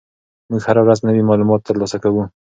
موږ هره ورځ نوي معلومات ترلاسه کوو.